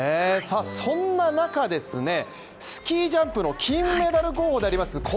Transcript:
そんな中ですね、スキージャンプの金メダル候補であります